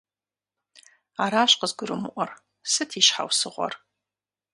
Аращ къызгурымыӀуэр, сыт и щхьэусыгъуэр?